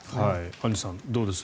アンジュさん、どうです？